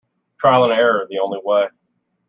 Trial and error. The only way.